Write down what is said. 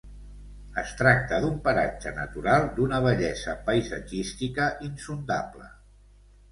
Es tracta d'un paratge natural d'una bellesa paisatgística insondable.